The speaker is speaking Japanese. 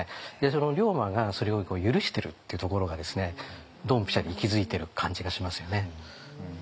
龍馬がそれを許してるっていうところがドンピシャリ息づいてる感じがしますよね。